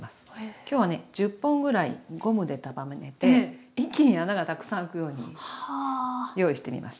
今日はね１０本ぐらいゴムで束ねて一気に穴がたくさん開くように用意してみました。